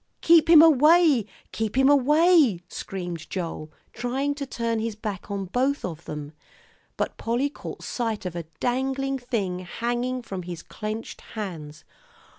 "Keep him away, keep him away," screamed Joel, trying to turn his back on both of them. But Polly caught sight of a dangling thing hanging from his clenched hands.